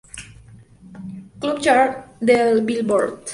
Club Chart del Billboard.